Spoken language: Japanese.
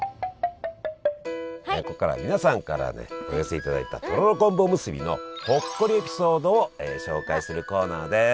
ここからは皆さんからねお寄せいただいたとろろ昆布おむすびのほっこりエピソードを紹介するコーナーです！